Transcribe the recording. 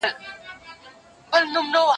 زه بايد اوبه پاک کړم